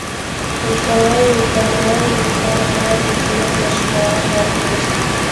د څارویو د درملنې لپاره باید وترنر مشوره ورکړي.